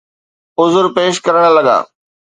عذر پيش ڪرڻ لڳا.